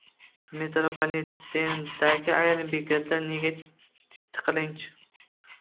Metropolitendagi ayrim bekatlar nega tiqilinch?